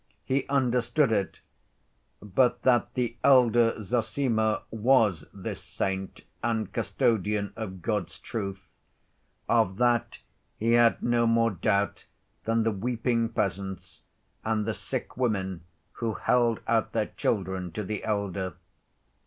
He understood it, but that the elder Zossima was this saint and custodian of God's truth—of that he had no more doubt than the weeping peasants and the sick women who held out their children to the elder.